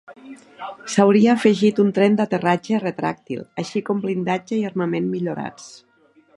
S'hauria afegit un tren d'aterratge retràctil, així com blindatge i armament millorats.